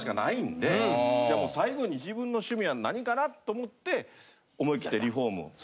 最後に自分の趣味は何かなと思って思い切ってリフォームを。